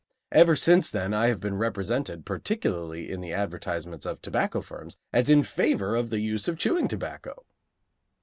Ever since then I have been represented, particularly in the advertisements of tobacco firms, as in favor of the use of chewing tobacco!